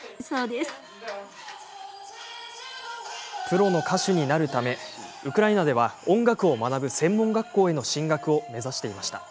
プロの歌手になるためウクライナでは音楽を学ぶ専門学校への進学を目指していました。